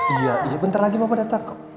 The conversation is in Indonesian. iya iya bentar lagi bapak datang